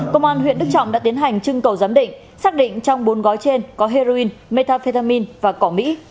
công an huyện đức trọng đã tiến hành trưng cầu giám định xác định trong bốn gói trên có heroin metafetamin và cỏ mỹ